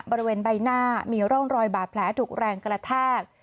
บริเวณใบหน้ามีร่องรอยบาดแผลถูกแรงกระแทก